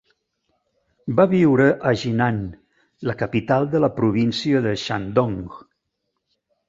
Va viure a Jinan, la capital de la província de Shandong.